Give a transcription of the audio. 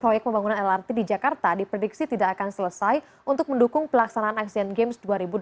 proyek pembangunan lrt di jakarta diprediksi tidak akan selesai untuk mendukung pelaksanaan asean games dua ribu delapan belas